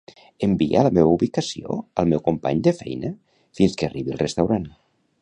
Envia la meva ubicació al meu company de feina fins que arribi al restaurant.